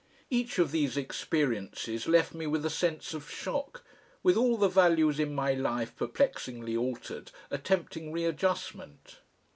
Each of these experiences left me with a sense of shock, with all the values in my life perplexingly altered, attempting readjustment.